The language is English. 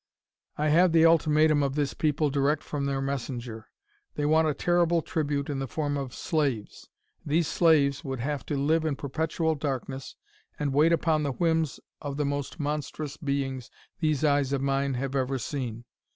"I have the ultimatum of this people direct from their messenger. They want a terrible tribute in the form of slaves. These slaves would have to live in perpetual darkness, and wait upon the whims of the most monstrous beings these eyes of mine have ever seen.